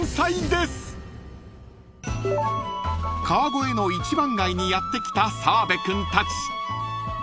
［川越の一番街にやって来た澤部君たち］